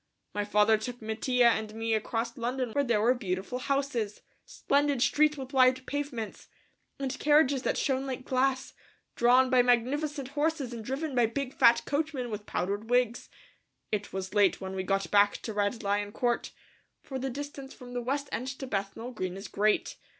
My father took Mattia and me across London where there were beautiful houses, splendid streets with wide pavements, and carriages that shone like glass, drawn by magnificent horses and driven by big fat coachmen with powdered wigs. It was late when we got back to Red Lion Court, for the distance from the West End to Bethnal Green is great.